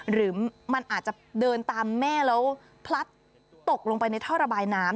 หรือมันอาจจะเดินตามแม่แล้วพลัดตกลงไปในท่อระบายน้ำ